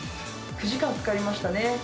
９時間かかりましたね。